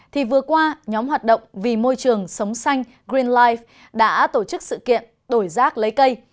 thì vừa qua nhóm hoạt động vì môi trường sống xanh green life đã tổ chức sự kiện đổi rác lấy cây